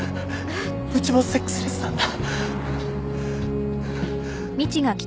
うちもセックスレスなんだ。